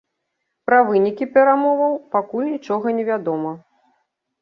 Пра вынікі перамоваў пакуль нічога невядома.